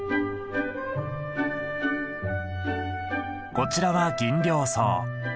こちらはギンリョウソウ。